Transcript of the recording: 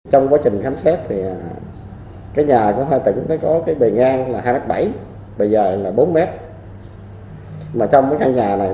trong quá trình luyện thiên linh cãi